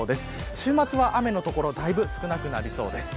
週末は雨の所だいぶ少なくなってきそうです。